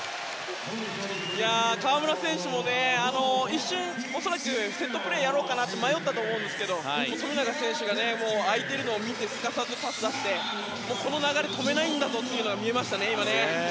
河村選手も一瞬恐らくセットプレーをやろうかなって迷ったと思うんですけど富永選手が空いているのを見てすかさずパスを出してこの流れ止めないんだぞというのが見られましたね。